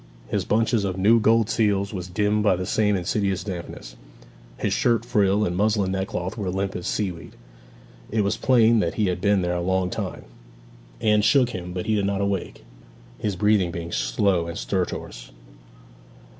His bunch of new gold seals was dimmed by the same insidious dampness; his shirt frill and muslin neckcloth were limp as seaweed. It was plain that he had been there a long time. Anne shook him, but he did not awake, his breathing being slow and stertorous.